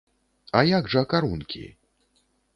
А як жа карункі?